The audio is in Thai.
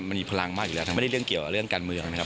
มันมีพลังมากอยู่แล้วทั้งไม่ได้เรื่องเกี่ยวกับเรื่องการเมืองนะครับ